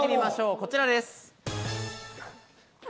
こちらです。